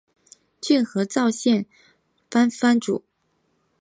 骏河沼津藩藩主。